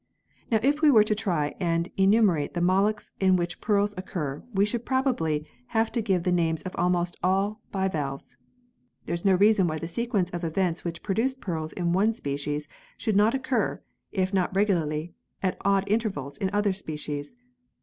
Now if we were to try and enumerate the molluscs in which pearls occur we should probably have to give the names of almost all the bivalves. There is no reason why the sequence of events which produce pearls in one species should not occur, if not regu larly, at odd intervals in other species.